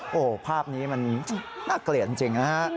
โอ้โหภาพนี้มันน่าเกลียดจริงนะฮะ